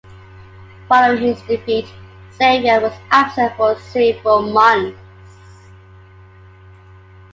Following his defeat, Xavier was absent for several months.